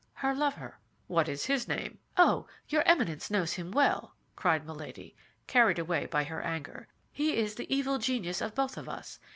"Her lover." "What is his name?" "Oh, your Eminence knows him well," cried Milady, carried away by her anger. "He is the evil genius of both of us.